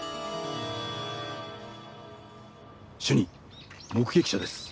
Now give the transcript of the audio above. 主任目撃者です。